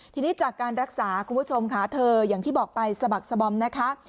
ทีนี้จากการรักษาคุณผู้ชมค่ะเธออย่างที่บอกไปสะบักสบอมนะคะ